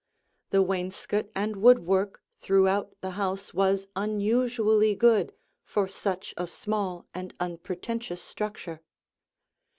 The wainscot and woodwork throughout the house was unusually good for such a small and unpretentious structure.